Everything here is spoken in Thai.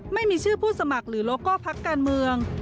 ไม่มีชื่อผู้สมัครหรือโลโก้พักการเมือง